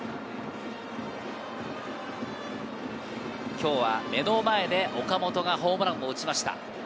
今日は目の前で岡本がホームランを打ちました。